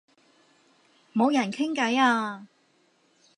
冇人傾偈啊